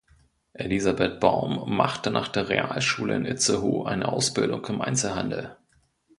Elisabeth Baum machte nach der Realschule in Itzehoe eine Ausbildung im Einzelhandel.